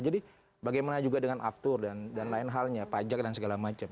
jadi bagaimana juga dengan aftur dan lain halnya pajak dan segala macam